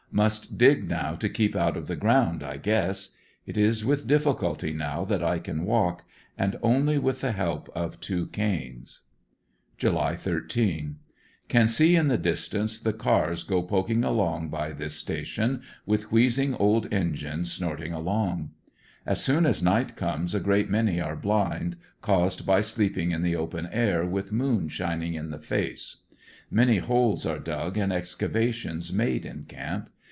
Must dig now to keep out of the ground, I guess. It is with difficulty now that I can walk, and only with the help of two canes. July 13. — Can see in the distance the cars go poking along by this station, \^ith wheezing old engines, snorting along. As soon as night comes a great many are blind, caused by sleeping in the open air, with moon shining in the face. Many holes are dug and excavations made in camp.